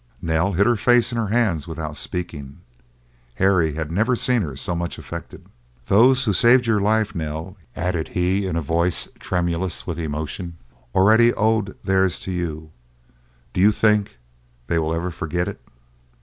Nell hid her face in her hands without speaking. Harry had never seen her so much affected. "Those who saved your life, Nell," added he in a voice tremulous with emotion, "already owed theirs to you; do you think they will ever forget it?"